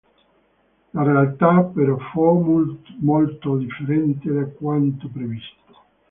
La realtà però fu molto differente da quanto previsto.